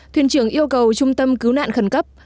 thuyền trưởng yêu cầu trung tâm cứu nạn khẩn cấp